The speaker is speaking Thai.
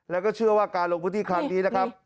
แล้วก็เชื่อว่าการลงพื้นที่ครั้งนี้นะครับ